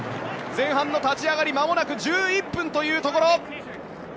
前半の立ち上がりまもなく１１分というところ。